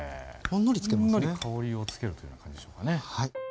ほんのり香りを付けるというような感じでしょうかね。